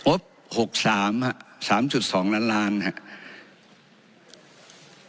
โอ๊ป๖๓ฮะ๓๒ล้านล้านฮะ